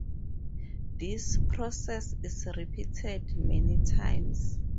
This process is repeated many times.